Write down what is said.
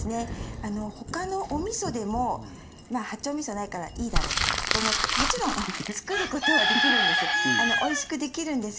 他のおみそでも八丁みそがないからいいだろうと思ってもちろん作ることはできるんです。